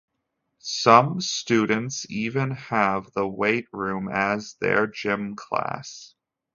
Some students even have the weight room as their gym class.